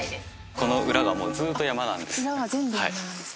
この裏がもうずーっと山なんです